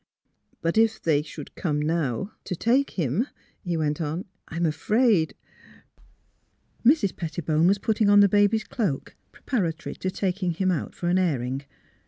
" But if they should come now, to take him," he went on, "I'm afraid " Mrs. Pettibone was putting on the baby's cloak preparatory to taking him out for an airing.